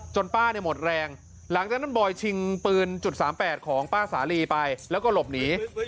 จนป้าเนี่ยหมดแรงหลังจากนั้นบอยชิงปืนจุด๓๘ของป้าสารีไป